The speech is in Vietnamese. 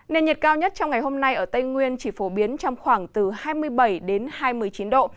nền nhiệt cao nhất trong ngày hôm nay ở tây nguyên chỉ phổ biến trong khoảng từ hai mươi bảy đến hai mươi chín độ